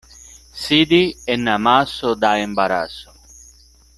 Sidi en amaso da embaraso.